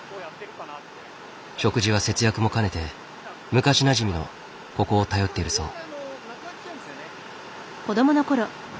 食事は節約もかねて昔なじみのここを頼っているそう。